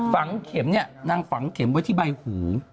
ฝังเข็มเนี่ยนางฝังเข็มไว้ที่ใบหู